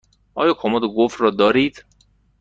آیا کمد قفل دار دارید؟